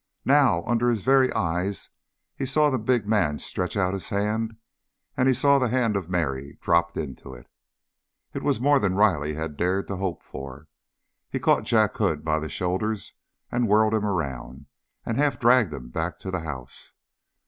Now, under his very eyes, he saw the big man stretch out his hand, and he saw the hand of Mary dropped into it. It was more than Riley had dared to hope for. He caught Jack Hood by the shoulders, and whirled him around, and half dragged him back to the house.